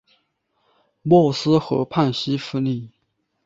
默斯河畔西夫里。